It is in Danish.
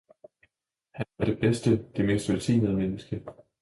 han var det bedste, det mest velsignede menneske!